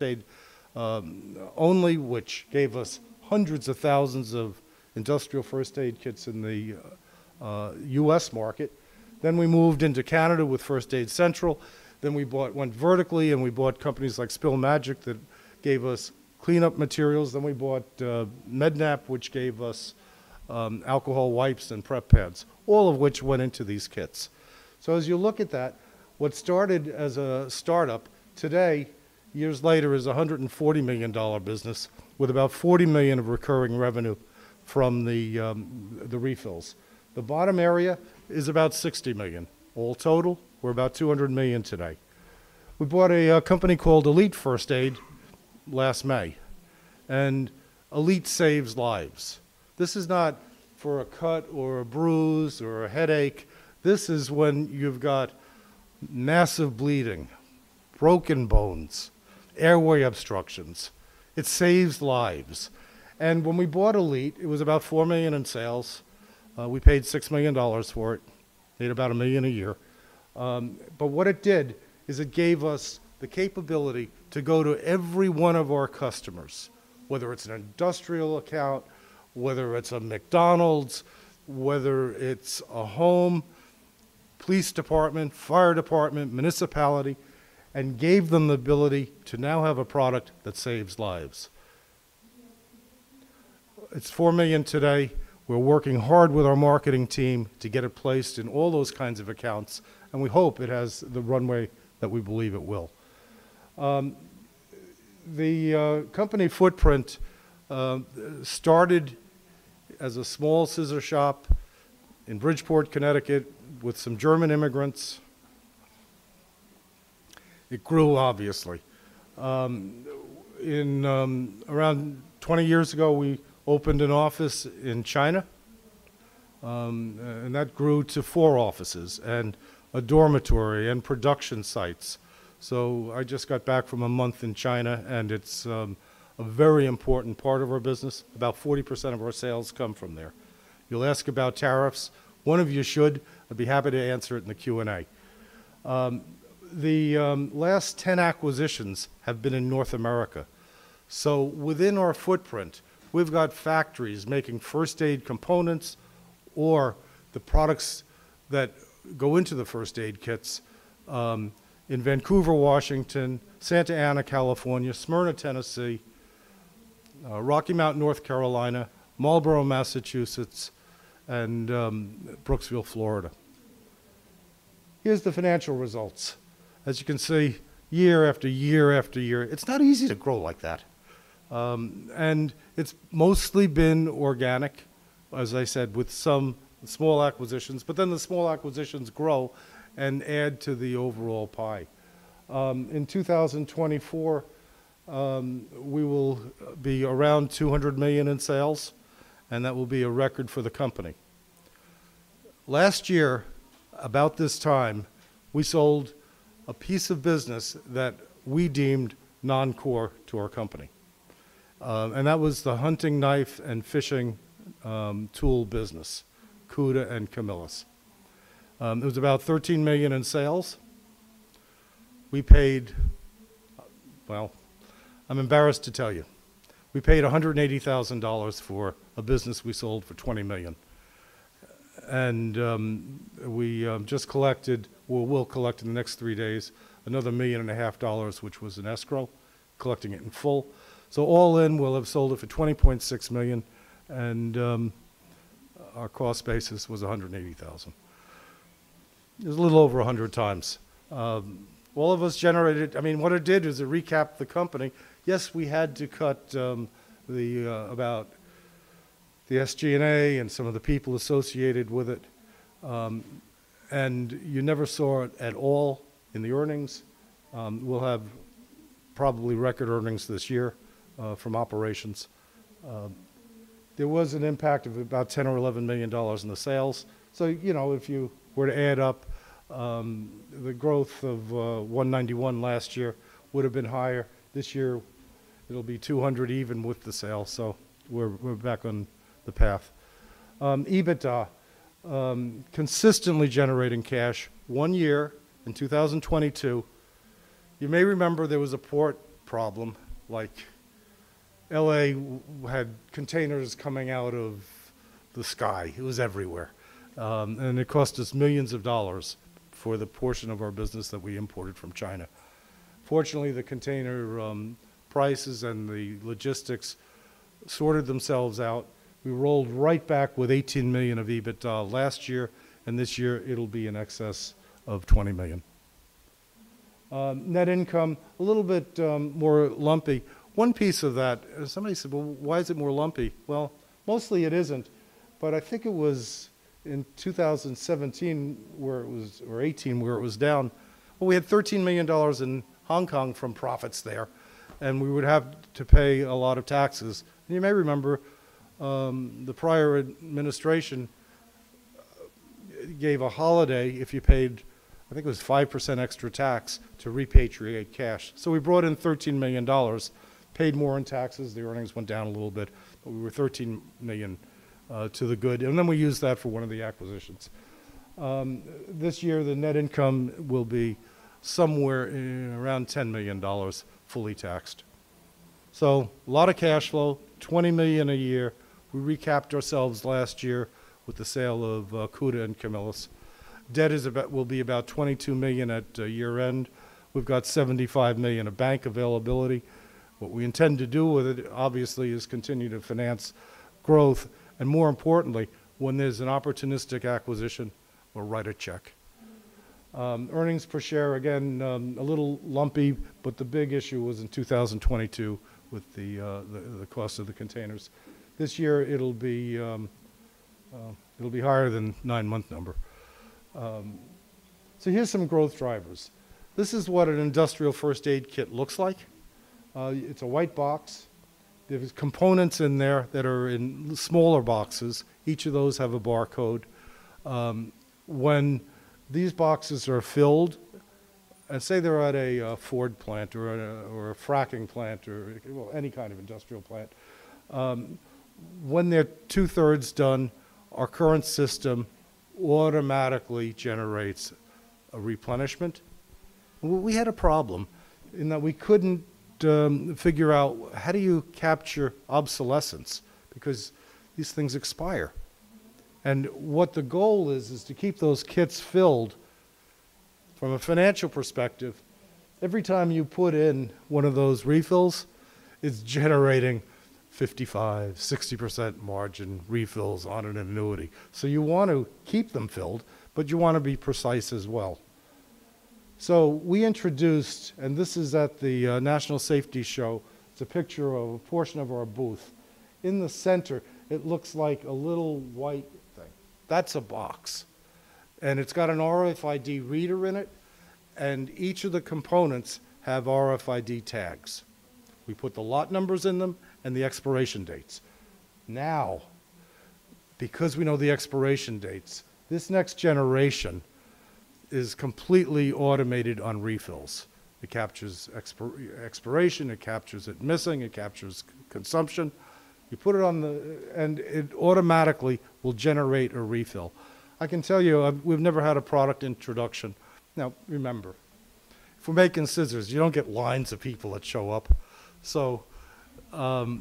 Aid Only, which gave us hundreds of thousands of industrial first aid kits in the U.S. market. Then we moved into Canada with First Aid Central. Then we bought, went vertically, and we bought companies like Spill Magic that gave us cleanup materials. Then we bought Med-Nap, which gave us alcohol wipes and prep pads, all of which went into these kits. So as you look at that, what started as a startup today, years later, is a $140 million business with about $40 million of recurring revenue from the refills. The bottom area is about $60 million. All total, we're about $200 million today. We bought a company called Elite First Aid last May, and Elite saves lives. This is not for a cut or a bruise or a headache. This is when you've got massive bleeding, broken bones, airway obstructions. It saves lives. When we bought Elite, it was about $4 million in sales. We paid $6 million for it. Made about $1 million a year. But what it did is it gave us the capability to go to every one of our customers, whether it's an industrial account, whether it's a McDonald's, whether it's a home, police department, fire department, municipality, and gave them the ability to now have a product that saves lives. It's $4 million today. We're working hard with our marketing team to get it placed in all those kinds of accounts, and we hope it has the runway that we believe it will. The company footprint started as a small scissor shop in Bridgeport, Connecticut, with some German immigrants. It grew, obviously. Around 20 years ago, we opened an office in China, and that grew to four offices and a dormitory and production sites. So I just got back from a month in China, and it's a very important part of our business. About 40% of our sales come from there. You'll ask about tariffs. One of you should. I'd be happy to answer it in the Q&A. The last 10 acquisitions have been in North America. So within our footprint, we've got factories making first aid components or the products that go into the first aid kits in Vancouver, Washington, Santa Ana, California, Smyrna, Tennessee, Rocky Mount, North Carolina, Marlborough, Massachusetts, and Brooksville, Florida. Here's the financial results. As you can see, year after year after year, it's not easy to grow like that. And it's mostly been organic, as I said, with some small acquisitions, but then the small acquisitions grow and add to the overall pie. In 2024, we will be around $200 million in sales, and that will be a record for the company. Last year, about this time, we sold a piece of business that we deemed non-core to our company, and that was the hunting knife and fishing tool business, Cuda and Camillus. It was about $13 million in sales. We paid, well, I'm embarrassed to tell you, we paid $180,000 for a business we sold for $20 million, and we just collected, well, we'll collect in the next three days, another $1.5 million, which was an escrow, collecting it in full. So all in, we'll have sold it for $20.6 million, and our cost basis was $180,000. It was a little over 100 times. All of us generated, I mean, what it did is it recapped the company. Yes, we had to cut about the SG&A and some of the people associated with it, and you never saw it at all in the earnings. We'll have probably record earnings this year from operations. There was an impact of about $10-$11 million in the sales. So, you know, if you were to add up, the growth of 191 last year would have been higher. This year, it'll be 200 even with the sale. So we're back on the path. EBITDA, consistently generating cash. One year in 2022, you may remember there was a port problem. Like LA had containers coming out of the sky. It was everywhere. And it cost us millions of dollars for the portion of our business that we imported from China. Fortunately, the container prices and the logistics sorted themselves out. We rolled right back with $18 million of EBITDA last year, and this year it'll be in excess of $20 million. Net income, a little bit more lumpy. One piece of that, somebody said, well, why is it more lumpy? Well, mostly it isn't. But I think it was in 2017 where it was, or 2018 where it was down. Well, we had $13 million in Hong Kong from profits there, and we would have to pay a lot of taxes. And you may remember the prior administration gave a holiday if you paid, I think it was 5% extra tax to repatriate cash. So we brought in $13 million, paid more in taxes. The earnings went down a little bit, but we were $13 million to the good. And then we used that for one of the acquisitions. This year, the net income will be somewhere around $10 million fully taxed. So a lot of cash flow, $20 million a year. We recapped ourselves last year with the sale of Cuda and Camillus. Debt will be about $22 million at year-end. We've got $75 million of bank availability. What we intend to do with it, obviously, is continue to finance growth and more importantly, when there's an opportunistic acquisition, we'll write a check. Earnings per share, again, a little lumpy, but the big issue was in 2022 with the cost of the containers. This year, it'll be higher than the nine-month number, so here's some growth drivers. This is what an industrial first aid kit looks like. It's a white box. There's components in there that are in smaller boxes. Each of those have a barcode. When these boxes are filled, and say they're at a Ford plant or a fracking plant or any kind of industrial plant, when they're two-thirds done, our current system automatically generates a replenishment. We had a problem in that we couldn't figure out how do you capture obsolescence because these things expire. And what the goal is, is to keep those kits filled. From a financial perspective, every time you put in one of those refills, it's generating 55%-60% margin refills on an annuity. So you want to keep them filled, but you want to be precise as well. So we introduced, and this is at the National Safety Show, it's a picture of a portion of our booth. In the center, it looks like a little white thing. That's a box. And it's got an RFID reader in it, and each of the components have RFID tags. We put the lot numbers in them and the expiration dates. Now, because we know the expiration dates, this next generation is completely automated on refills. It captures expiration. It captures it missing. It captures consumption. You put it on the, and it automatically will generate a refill. I can tell you, we've never had a product introduction. Now, remember, if we're making scissors, you don't get lines of people that show up. So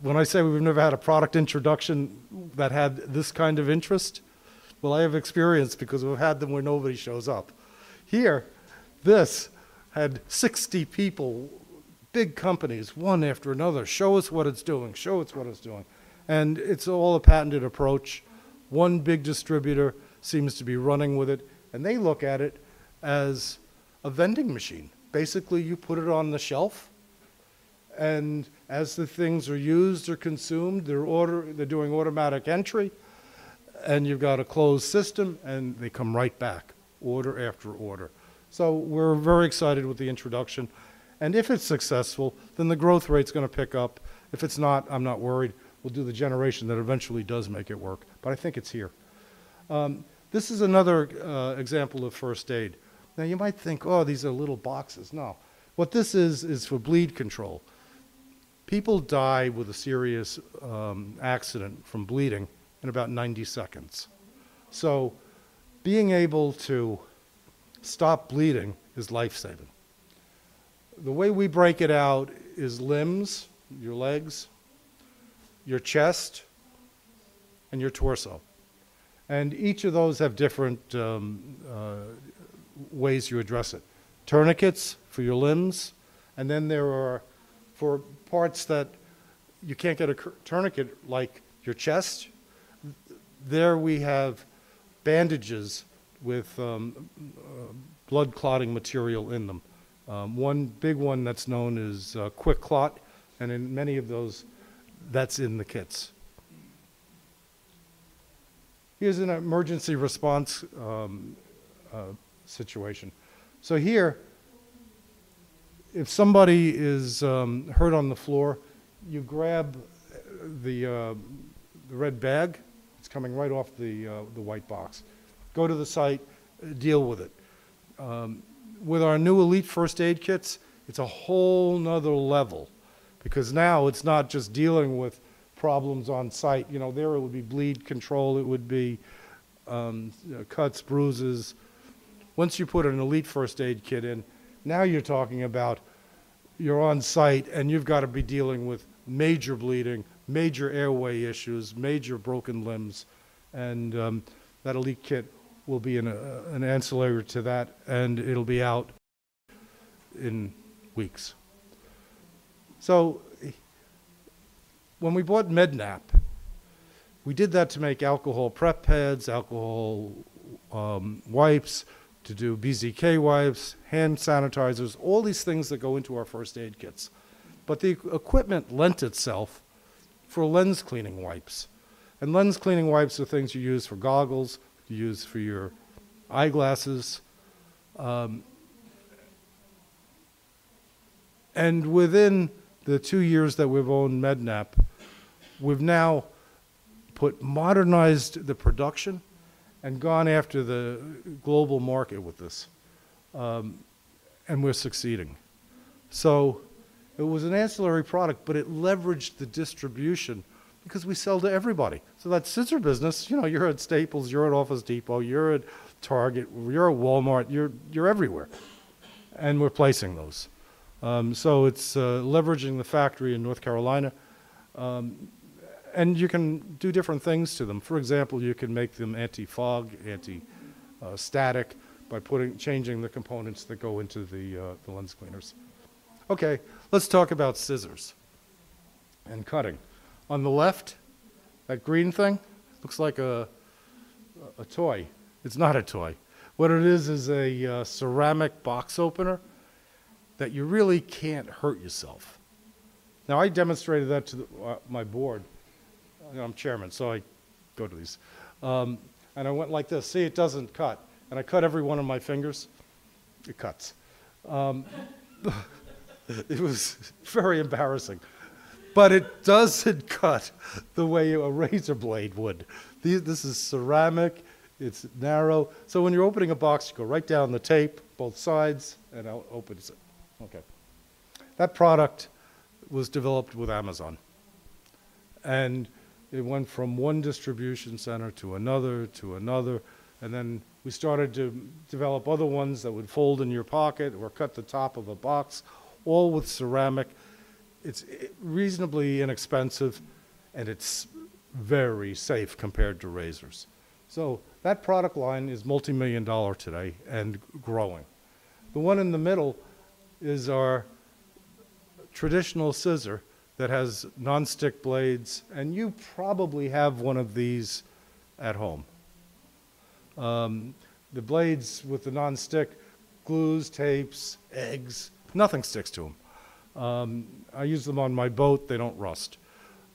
when I say we've never had a product introduction that had this kind of interest, well, I have experience because we've had them where nobody shows up. Here, this had 60 people, big companies, one after another, show us what it's doing, show us what it's doing. And it's all a patented approach. One big distributor seems to be running with it, and they look at it as a vending machine. Basically, you put it on the shelf, and as the things are used or consumed, they're doing automatic entry, and you've got a closed system, and they come right back, order after order. So we're very excited with the introduction. And if it's successful, then the growth rate's going to pick up. If it's not, I'm not worried. We'll do the generation that eventually does make it work. But I think it's here. This is another example of first aid. Now, you might think, oh, these are little boxes. No. What this is, is for bleed control. People die with a serious accident from bleeding in about 90 seconds. So being able to stop bleeding is lifesaving. The way we break it out is limbs, your legs, your chest, and your torso. And each of those have different ways you address it. Tourniquets for your limbs. And then there are four parts that you can't get a tourniquet, like your chest. There we have bandages with blood clotting material in them. One big one that's known is QuikClot, and in many of those, that's in the kits. Here's an emergency response situation. So here, if somebody is hurt on the floor, you grab the red bag. It's coming right off the white box. Go to the site, deal with it. With our new Elite First Aid kits, it's a whole nother level because now it's not just dealing with problems on site. You know, there it would be bleed control. It would be cuts, bruises. Once you put an Elite First Aid kit in, now you're talking about you're on site and you've got to be dealing with major bleeding, major airway issues, major broken limbs. And that Elite kit will be an ancillary to that, and it'll be out in weeks. So when we bought Med-Nap, we did that to make alcohol prep pads, alcohol wipes to do BZK wipes, hand sanitizers, all these things that go into our first aid kits. But the equipment lent itself for lens cleaning wipes. And lens cleaning wipes are things you use for goggles, you use for your eyeglasses. And within the two years that we've owned Med-Nap, we've now put modernized the production and gone after the global market with this. And we're succeeding. So it was an ancillary product, but it leveraged the distribution because we sell to everybody. So that scissor business, you know, you're at Staples, you're at Office Depot, you're at Target, you're at Walmart, you're everywhere. And we're placing those. So it's leveraging the factory in North Carolina. And you can do different things to them. For example, you can make them anti-fog, anti-static by changing the components that go into the lens cleaners. Okay, let's talk about scissors and cutting. On the left, that green thing looks like a toy. It's not a toy. What it is, is a ceramic box opener that you really can't hurt yourself. Now, I demonstrated that to my board. I'm chairman, so I go to these. And I went like this. See, it doesn't cut. And I cut every one of my fingers. It cuts. It was very embarrassing. But it doesn't cut the way a razor blade would. This is ceramic. It's narrow. So when you're opening a box, you go right down the tape, both sides, and it opens. Okay. That product was developed with Amazon. And it went from one distribution center to another to another. And then we started to develop other ones that would fold in your pocket or cut the top of a box, all with ceramic. It's reasonably inexpensive, and it's very safe compared to razors. So that product line is multi-million dollar today and growing. The one in the middle is our traditional scissors that has non-stick blades. And you probably have one of these at home. The blades with the non-stick, glues, tapes, eggs, nothing sticks to them. I use them on my boat. They don't rust.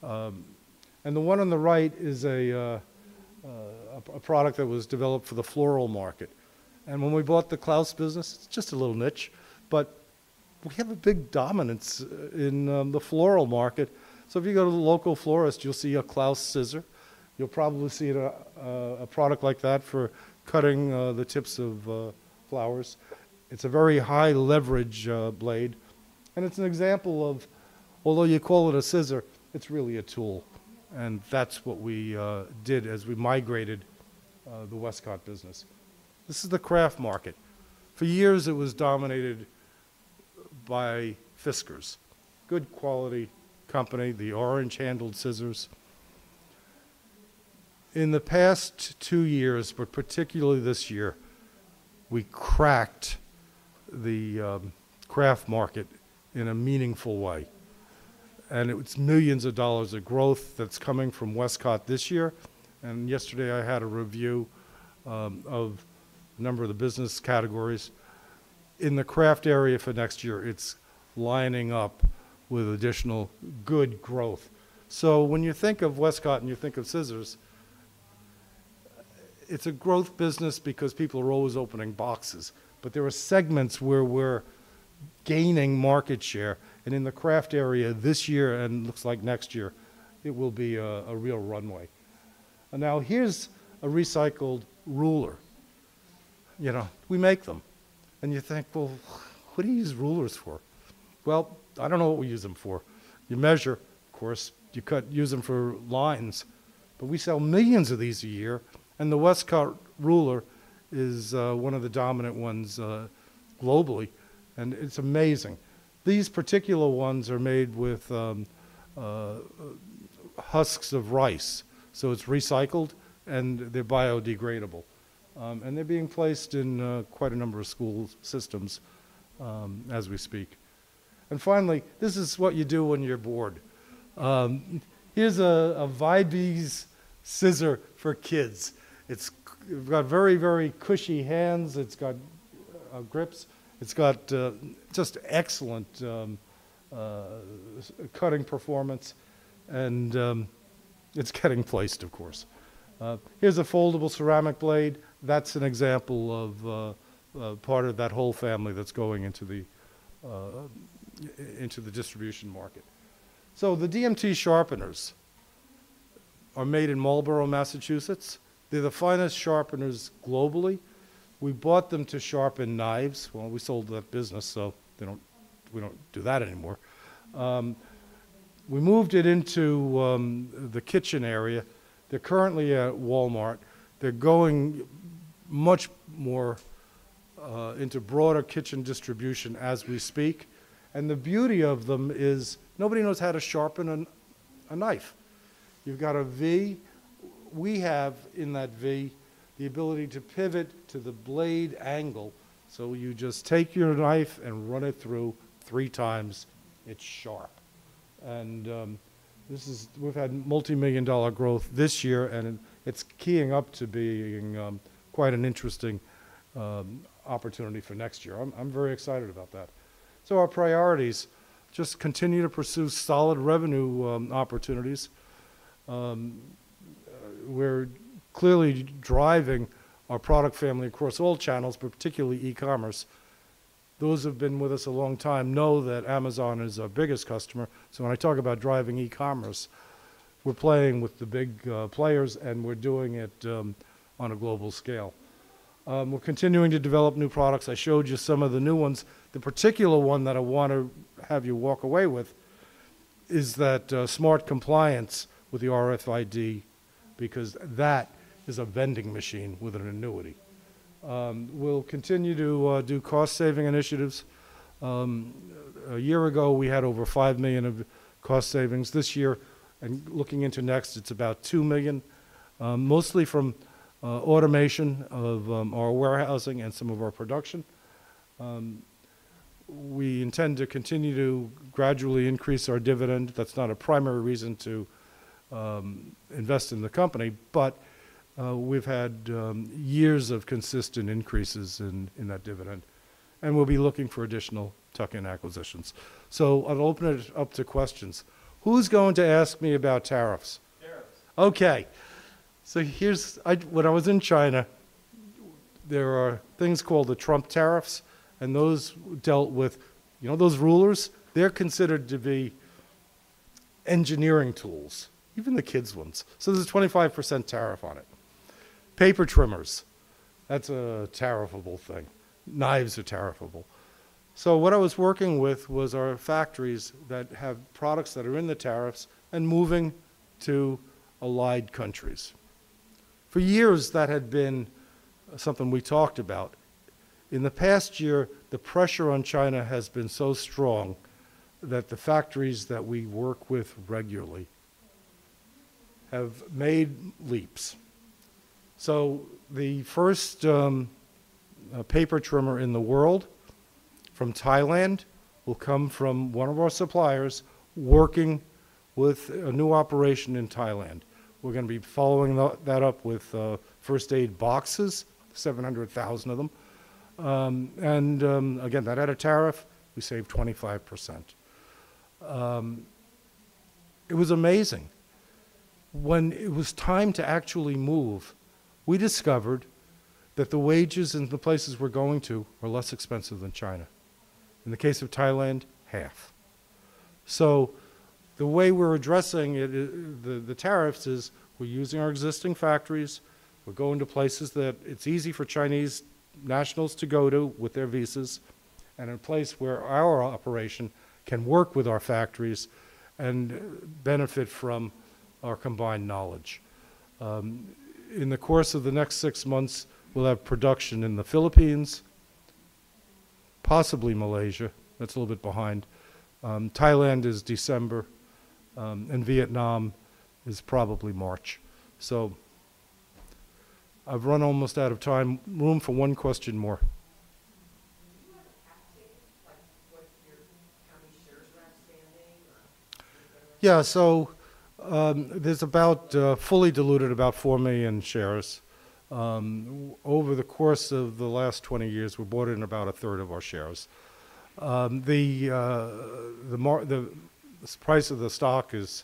And the one on the right is a product that was developed for the floral market. And when we bought the Clauss business, it's just a little niche, but we have a big dominance in the floral market. So if you go to the local florist, you'll see a Clauss scissors. You'll probably see a product like that for cutting the tips of flowers. It's a very high leverage blade, and it's an example of, although you call it a scissor, it's really a tool, and that's what we did as we migrated the Westcott business. This is the craft market. For years, it was dominated by Fiskars, good quality company, the orange-handled scissors. In the past two years, but particularly this year, we cracked the craft market in a meaningful way, and it's millions of dollars of growth that's coming from Westcott this year, and yesterday, I had a review of a number of the business categories. In the craft area for next year, it's lining up with additional good growth, so when you think of Westcott and you think of scissors, it's a growth business because people are always opening boxes. But there are segments where we're gaining market share. And in the craft area this year and looks like next year, it will be a real runway. Now, here's a recycled ruler. You know, we make them. And you think, well, what are these rulers for? Well, I don't know what we use them for. You measure, of course. You use them for lines. But we sell millions of these a year. And the Westcott ruler is one of the dominant ones globally. And it's amazing. These particular ones are made with husks of rice. So it's recycled, and they're biodegradable. And they're being placed in quite a number of school systems as we speak. And finally, this is what you do when you're bored. Here's a Vibes scissors for kids. It's got very, very cushy hands. It's got grips. It's got just excellent cutting performance. It's getting placed, of course. Here's a foldable ceramic blade. That's an example of part of that whole family that's going into the distribution market. The DMT sharpeners are made in Marlborough, Massachusetts. They're the finest sharpeners globally. We bought them to sharpen knives. We sold that business, so we don't do that anymore. We moved it into the kitchen area. They're currently at Walmart. They're going much more into broader kitchen distribution as we speak. The beauty of them is nobody knows how to sharpen a knife. You've got a V. We have in that V the ability to pivot to the blade angle. So you just take your knife and run it through three times. It's sharp. We've had multi-million dollar growth this year, and it's keying up to being quite an interesting opportunity for next year. I'm very excited about that. Our priorities just continue to pursue solid revenue opportunities. We're clearly driving our product family across all channels, but particularly e-commerce. Those who have been with us a long time know that Amazon is our biggest customer. When I talk about driving e-commerce, we're playing with the big players, and we're doing it on a global scale. We're continuing to develop new products. I showed you some of the new ones. The particular one that I want to have you walk away with is that SmartCompliance with the RFID because that is a vending machine with an annuity. We'll continue to do cost-saving initiatives. A year ago, we had over $5 million of cost savings. This year, and looking into next, it's about $2 million, mostly from automation of our warehousing and some of our production. We intend to continue to gradually increase our dividend. That's not a primary reason to invest in the company, but we've had years of consistent increases in that dividend. And we'll be looking for additional tuck-in acquisitions. So I'll open it up to questions. Who's going to ask me about tariffs? Tariffs. Okay. So here's when I was in China, there are things called the Trump tariffs. And those dealt with, you know, those rulers, they're considered to be engineering tools, even the kids' ones. So there's a 25% tariff on it. Paper trimmers, that's a tariffable thing. Knives are tariffable. So what I was working with was our factories that have products that are in the tariffs and moving to allied countries. For years, that had been something we talked about. In the past year, the pressure on China has been so strong that the factories that we work with regularly have made leaps. The first paper trimmer in the world from Thailand will come from one of our suppliers working with a new operation in Thailand. We're going to be following that up with first aid boxes, 700,000 of them. And again, that had a tariff. We saved 25%. It was amazing. When it was time to actually move, we discovered that the wages in the places we're going to are less expensive than China. In the case of Thailand, half. The way we're addressing the tariffs is we're using our existing factories. We're going to places that it's easy for Chinese nationals to go to with their visas and a place where our operation can work with our factories and benefit from our combined knowledge. In the course of the next six months, we'll have production in the Philippines, possibly Malaysia. That's a little bit behind. Thailand is December, and Vietnam is probably March. So I've run almost out of time. Room for one question more. Do you have a cap table? Like, what's your company shares around standing or anything like that? Yeah. So there's about fully diluted about 4 million shares. Over the course of the last 20 years, we bought in about a third of our shares. The price of the stock is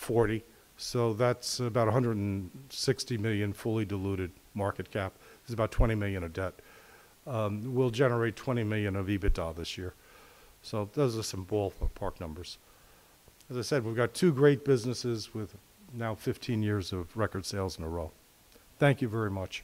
$40. So that's about $160 million fully diluted market cap. It's about $20 million of debt. We'll generate $20 million of EBITDA this year. So those are some ballpark numbers. As I said, we've got two great businesses with now 15 years of record sales in a row. Thank you very much.